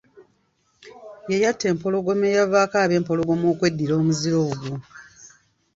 Ye yatta empologoma eyavaako abempologoma okweddira omuziro ogwo.